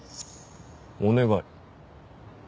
お願い？